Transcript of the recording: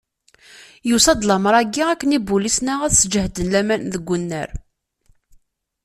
Yusa-d lamer-agi akken ibulisen-a, ad sǧehden laman deg unnar.